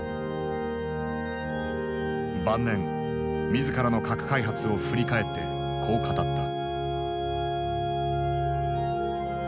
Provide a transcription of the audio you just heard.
晩年自らの核開発を振り返ってこう語った。